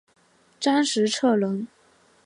张时彻人。